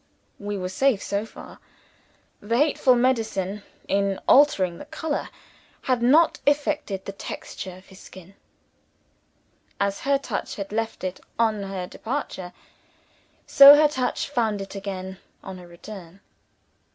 We were safe so far! The hateful medicine, in altering the color, had not affected the texture, of his skin. As her touch had left it on her departure, so her touch found it again, on her return.